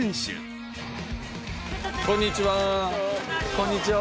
こんにちは。